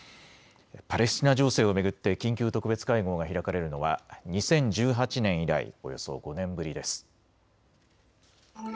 パレスチナ情勢を巡って緊急特別会合が開かれるのは２０１８年以来、およそ５年ぶりです。